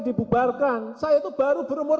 dibubarkan saya itu baru berumur